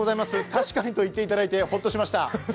「確かに」と言っていただいてホッとしました。